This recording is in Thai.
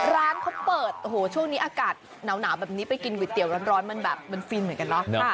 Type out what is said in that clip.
ร้านเขาเปิดโอ้โหช่วงนี้อากาศหนาวแบบนี้ไปกินก๋วยเตี๋ยวร้อนมันแบบมันฟินเหมือนกันเนาะ